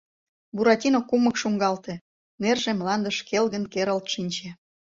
Буратино кумык шуҥгалте, нерже мландыш келгын керылт шинче.